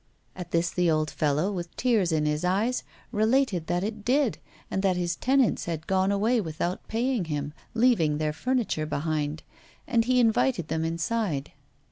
At this the old fellow, with tears in his eyes, related that it did, and that his tenants had gone away without paying him, leaving their furniture behind. And he invited them inside.